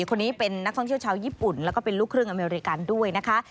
คนนี้เป็นนักท่องเที่ยวชาวญี่ปุ่นแล้วก็เป็นลูกครึ่งอเมริกันด้วยนะคะ